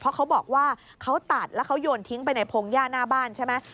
เพราะเขาบอกว่าเขาตัดแล้วเขาโยนทิ้งไปในพงหญ้าหน้าบ้านใช่ไหม